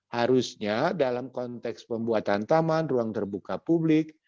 harusnya dalam konteks pembuatan taman ruang terbuka publik